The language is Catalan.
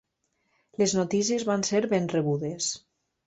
Les notícies van ser ben rebudes.